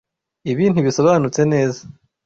Ibi ntibisobanutse neza.